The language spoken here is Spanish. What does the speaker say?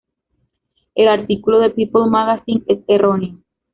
El artículo de "People Magazine" es erróneo.